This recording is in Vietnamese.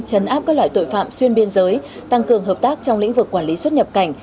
chấn áp các loại tội phạm xuyên biên giới tăng cường hợp tác trong lĩnh vực quản lý xuất nhập cảnh